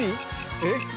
えっ？